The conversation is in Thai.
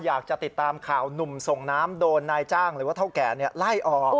อยากจะติดตามข่าวหนุ่มส่งน้ำโดนนายจ้างหรือว่าเท่าแก่ไล่ออก